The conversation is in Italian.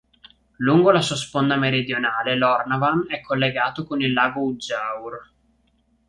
Lungo la sua sponda meridionale l'Hornavan è collegato con il lago Uddjaure.